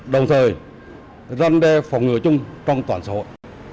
đồng thời răn đe phòng ngừa chung trong toàn xã hội